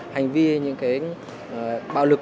hành vi hay những cái bạo lực